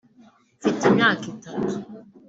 Mfite imyaka itatu